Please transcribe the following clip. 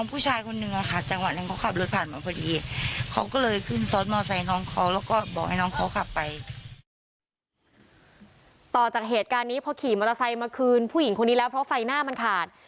ผู้หญิงคงดีแล้วเพราะไฟหน้ามันขาด